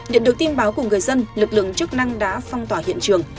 nhận được tin báo của người dân lực lượng chức năng đã phong tỏa hiện trường